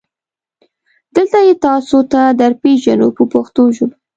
دلته یې تاسو ته درپېژنو په پښتو ژبه.